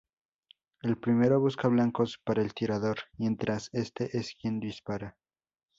El primero busca blancos para el tirador, mientras este es quien dispara.